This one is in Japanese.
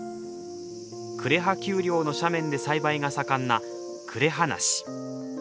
呉羽丘陵の斜面で栽培が盛んな呉羽梨。